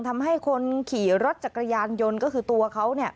ทำให้คนขี่รถจักรยานยนต์ก็คือตัวเขา